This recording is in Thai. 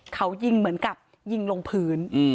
เขายิงเหมือนกับยิงลงพื้น